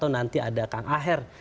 nanti ada kang aher